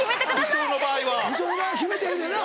不詳の場合は決めてええねんな。